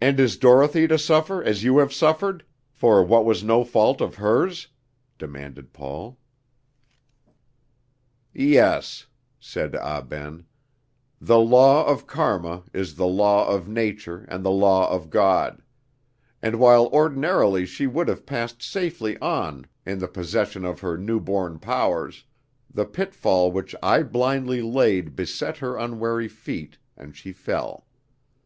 "And is Dorothy to suffer as you have suffered, for what was no fault of hers?" demanded Paul. "Yes," said Ah Ben; "the law of Karma is the law of nature and the law of God; and while ordinarily she would have passed safely on in the possession of her new born powers, the pitfall which I blindly laid beset her unwary feet, and she fell.